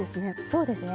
そうですね